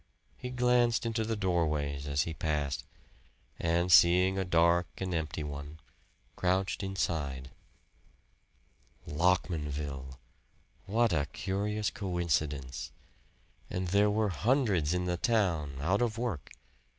He glanced into the doorways as he passed, and seeing a dark and empty one, crouched inside. Lockmanville! What a curious coincidence! And there were hundreds in the town out of work.